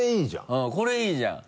これいいじゃん。